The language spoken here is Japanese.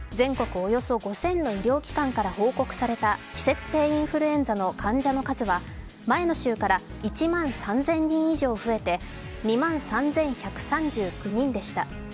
およそ５０００の医療機関から報告された季節性インフルエンザの患者の数は前の週から１万３０００人以上増えて２万３１３９人でした。